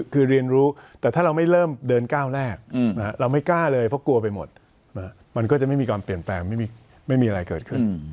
คือเรียนรู้แต่ถ้าเราไม่เริ่มเดินก้าวแรกเราไม่กล้าเลยเพราะกลัวไปหมดมันก็จะไม่มีการเปลี่ยนแปลงไม่มีอะไรเกิดขึ้น